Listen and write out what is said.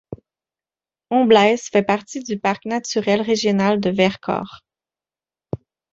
Omblèze fait partie du Parc naturel régional du Vercors.